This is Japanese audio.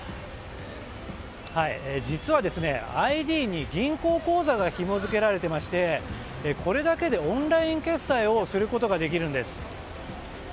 実はＩＤに銀行口座がひもづけられていましてこれだけでオンライン決済をすることができるんです。